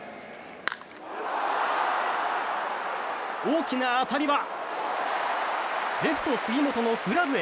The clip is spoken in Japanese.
大きな当たりはレフト、杉本のグラブへ。